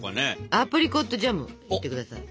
アプリコットジャムを塗ってください。